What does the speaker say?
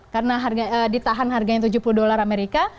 karena ditahan harganya tujuh puluh dolar amerika